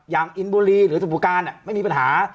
อย่างอินบุรีหรือสมบูรณ์การเนี่ยไม่มีปัญหา